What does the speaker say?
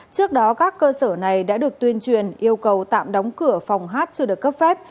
trước đó các cơ sở này đã được tuyên truyền yêu cầu tạm đóng cửa phòng hát chưa được cấp phép